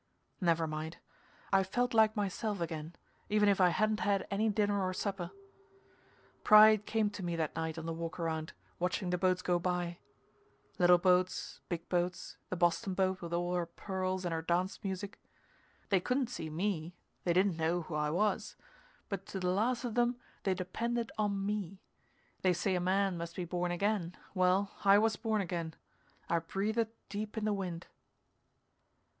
Never mind. I felt like myself again, even if I hadn't had any dinner or supper. Pride came to me that night on the walk around, watching the boats go by little boats, big boats, the Boston boat with all her pearls and her dance music. They couldn't see me; they didn't know who I was; but to the last of them, they depended on me. They say a man must be born again. Well, I was born again. I breathed deep in the wind.